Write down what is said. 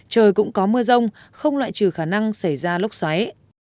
trời cũng có mưa rông không loại trừ khả năng xảy ra lốc xoáy